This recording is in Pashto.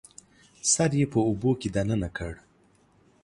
سر یې په اوبو کې دننه کړ